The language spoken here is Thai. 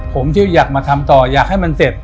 ผมที่อยากมาทำต่ออยากให้มันเสร็จ